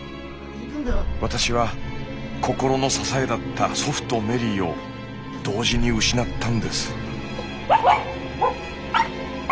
私は心の支えだった祖父とメリーを同時に失ったんです。